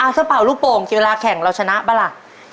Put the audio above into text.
ถ้าเป่าลูกโป่งเวลาแข่งเราชนะป่ะล่ะ